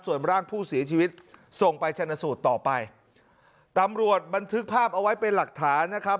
ส่วนร่างผู้เสียชีวิตส่งไปชนะสูตรต่อไปตำรวจบันทึกภาพเอาไว้เป็นหลักฐานนะครับ